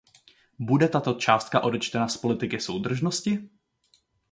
Bude tato částka odečtena z politiky soudržnosti?